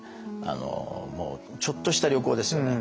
もうちょっとした旅行ですよね。